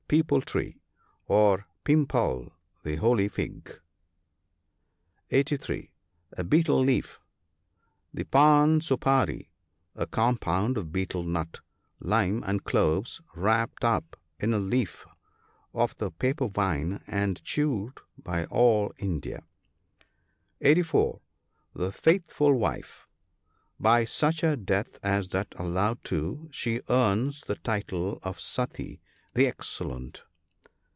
Peeptd tree.— Or " Pimpal," the holy fig. (83.) A betal leaf — The " pan sooparee," a compound of betel nut, lime, and cloves, wrapped up in a leaf of the pepper vine, and chewed by all India. (84.) The faithful wife. — By such a death as that alluded to, she earns the title of Sati, the "excellent."